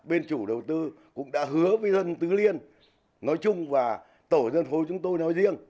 bên chủ đầu tư cũng đã hứa với dân tứ liên nói chung và tổ dân phố chúng tôi nói riêng